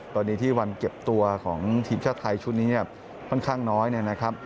ตอนนี้ที่วันเก็บตัวของทีมชาติไทยชุดนี้เนี่ยค่อนข้างน้อยเนี่ยนะครับ